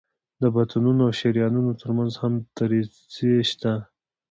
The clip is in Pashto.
د بطنونو او شریانونو تر منځ هم دریڅې شته.